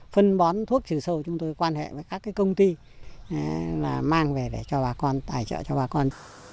phân bón thuốc trừ sâu chúng tôi quan hệ với các công ty là mang về để cho bà con tài trợ cho bà con